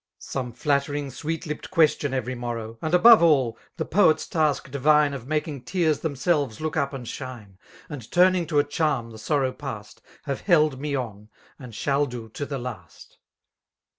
Some flattering> sweet lipped question every morroi^. And above all, the poet's ta^k divine Of making tears themselves look up and shine. And turning to a charm the sorrow past. Have held me on, and shall do to the last.